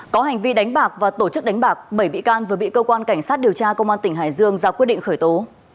có hành vi đánh bạc và tổ chức đánh bạc bảy bị can vừa bị cơ quan cảnh sát điều tra công an tỉnh hải dương ra quyết định khởi tố